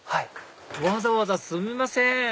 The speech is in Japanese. わざわざすみません